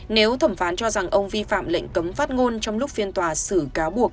nếu thẩm phán cho rằng ông vi phạm lệnh cấm phát ngôn trong lúc phiên tòa xử cáo buộc